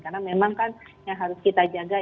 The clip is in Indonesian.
karena memang kan yang harus kita jaga